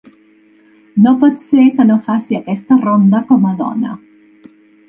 No pot ser que no faci aquesta ronda com a dona.